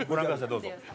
どうぞ。